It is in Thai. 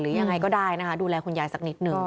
หรือยังไงก็ได้ดูแลคุณยายสักนิดหนึ่ง